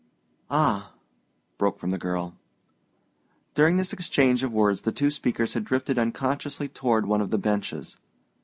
"Ah!" broke from the girl. During this exchange of words the two speakers had drifted unconsciously toward one of the benches.